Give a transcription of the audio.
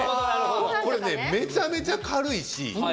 これねめちゃめちゃ軽いし。